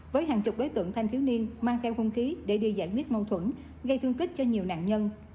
với hàng chục đối tượng thanh thiếu niên mang theo hung khí để đi giải quyết mâu thuẫn gây thương tích cho nhiều nạn nhân